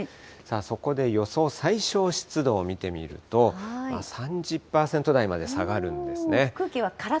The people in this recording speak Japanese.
そこで予想最小湿度を見てみると、３０％台まで下がるんですね。